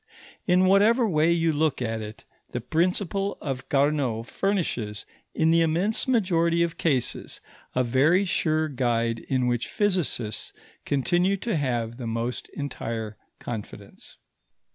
In whatever way you look at it, the principle of Carnot furnishes, in the immense majority of cases, a very sure guide in which physicists continue to have the most entire confidence.